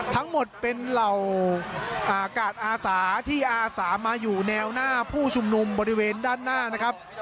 ทั้งหมดเป็นเหล่ากาศอาสาที่อาสามาอยู่แนวหน้าผู้ชุมนุมบริเวณด้านหน้านะครับ